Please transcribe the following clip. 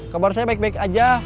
kabar saya baik baik aja